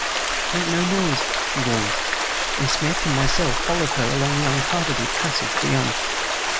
"Make no noise," she warned. And Smith and myself followed her along the uncarpeted passage beyond.